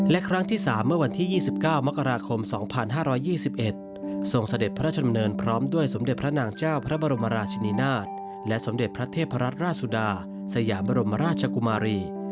และครั้งที่๓เมื่อวันที่๒๙มกราคม๒๕๒๑ทรงเสด็จพระราชดำเนินพร้อมด้วยสมเด็จพระนางเจ้าพระบรมราชินินาศและสมเด็จพระเทพรัตนราชสุดาสยามบรมราชกุมารี